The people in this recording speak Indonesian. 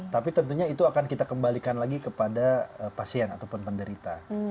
tapi tentunya itu akan kita kembalikan lagi kepada pasien ataupun penderita